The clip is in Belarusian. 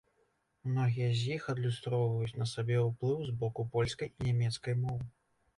Многія з іх адлюстроўваюць на сабе ўплыў з боку польскай і нямецкай моў.